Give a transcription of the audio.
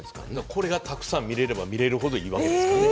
これがたくさん見れれば見れるほどいいわけですからね。